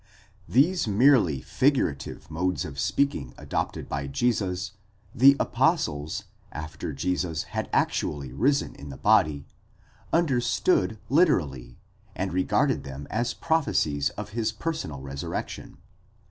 These merely figurative modes of speaking adopted by Jesus, the apostles, after Jesus had actually risen in the body, understood literally, and regarded them as prophecies of his personal resurrection.